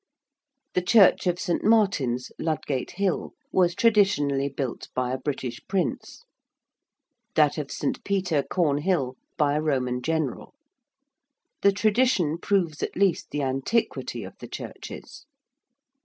The church of St. Martin's, Ludgate Hill, was traditionally built by a British prince: that of St. Peter, Cornhill, by a Roman general. The tradition proves at least the antiquity of the churches.